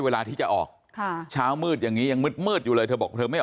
เวลาที่จะออกค่ะเช้ามืดอย่างนี้ยังมืดมืดอยู่เลยเธอบอกเธอไม่